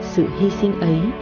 sự hy sinh ấy